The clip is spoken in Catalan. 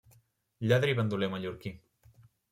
Lladre i bandoler mallorquí.